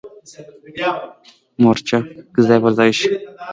قبایلت د ملت پرضد په مورچه کې ځای پر ځای شي.